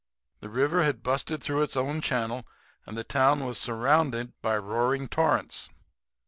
The river had busted through its old channel, and the town was surrounded by roaring torrents.